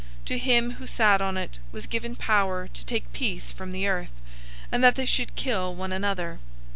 To him who sat on it was given power to take peace from the earth, and that they should kill one another.